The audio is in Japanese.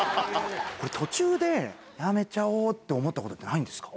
これ、途中でやめちゃおうって思ったことってないんですか。